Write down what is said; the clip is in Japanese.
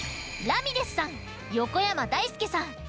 ラミレスさん横山だいすけさん